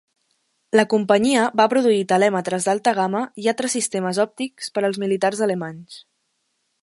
La companyia va produir telèmetres d'alta gamma i altres sistemes òptics per als militars alemanys.